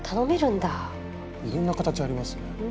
いろんな形ありますね。